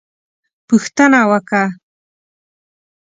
_پوښتنه وکه!